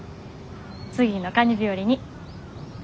次のカニ日和に。